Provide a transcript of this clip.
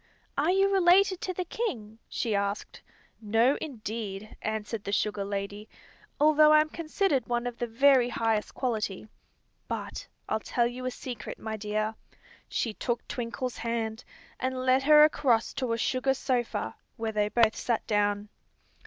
"Are you related to the king?" she asked. "No, indeed," answered the sugar lady, "although I'm considered one of the very highest quality. But I'll tell you a secret, my dear." She took Twinkle's hand and led her across to a sugar sofa, where they both sat down.